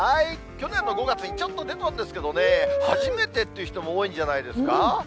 去年の５月にちょっと出たんですけどね、初めてという人も多いんじゃないですか。